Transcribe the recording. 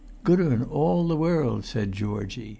"Gooder'n all the world," said Georgie.